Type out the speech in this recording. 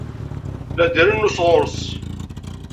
La d-irennu sɣur-s.